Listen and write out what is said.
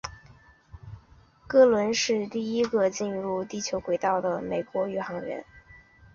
格伦是第一个进入地球轨道的美国宇航员。